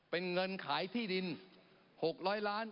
เป็นเงินขายที่ดินหกร้อยล้าน